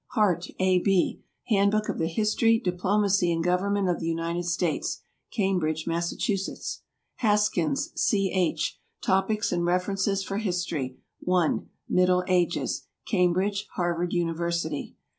HART, A. B. "Handbook of the History, Diplomacy, and Government of the United States." Cambridge, Mass. HASKINS, C. H. "Topics and References for History, I (Middle Ages)." Cambridge, Harvard University.